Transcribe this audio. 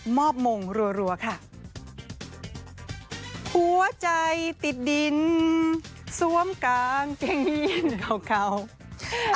มอบมงค์รัวค่ะหัวใจติดดินซวมกางเกลี้ยงเหี้ยงเก่าเก่า